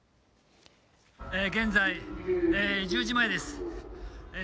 現在１０時前です。